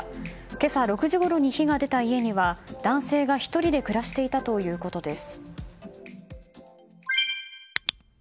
今朝６時ごろに火が出た家には男性が１人で暮らしていたということです。